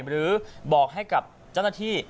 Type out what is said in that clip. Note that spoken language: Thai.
หรือบอกให้กับเจ้าหน้าที่